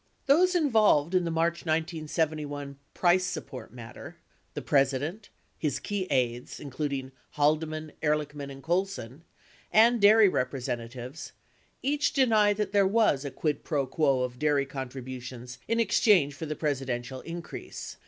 Those involved in the March 1971 price support matter — the Presi dent, his key aides, including Haldeman, Ehrlichman, and Colson, and dairy representatives — each deny that there was a quid pro quo of dairy contributions in exchange for the Presidential increase.